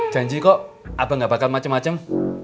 janji kok abang gak bakal macem macem